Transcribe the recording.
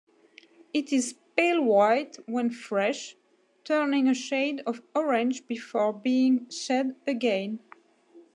It is pale-white when fresh, turning a shade of orange before being shed again.